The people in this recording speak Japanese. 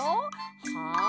はい！